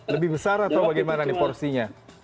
lebih besar atau bagaimana nih porsinya